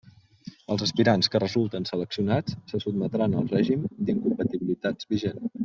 Els aspirants que resulten seleccionats se sotmetran al règim d'incompatibilitats vigent.